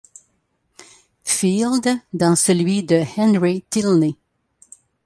Feild dans celui de Henry Tilney.